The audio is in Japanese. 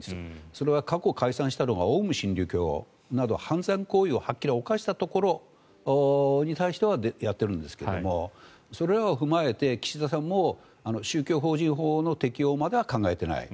それは過去、解散したのがオウム真理教など犯罪行為をはっきり犯したところに対してはやっているんですけれどそれらを踏まえて岸田さんも宗教法人法の適用までは考えていない。